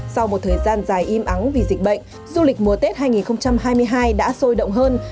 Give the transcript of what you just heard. sau một thời gian dài im ắng vì dịch bệnh du lịch mùa tết hai nghìn hai mươi hai đã sôi động hơn